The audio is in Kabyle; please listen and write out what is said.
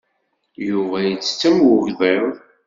Yuba yettett am ugḍiḍ.